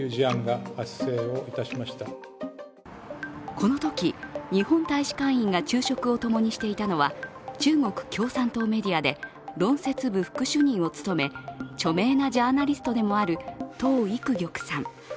このとき、日本大使館員が昼食を共にしていたのは中国共産党メディアで論説部副主任を務め著名なジャーナリストでもある董郁玉さん。